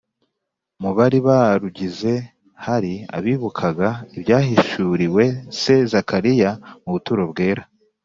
. Mu bari barugize, hari abibukaga ibyahishuriwe se Zakariya mu buturo bwera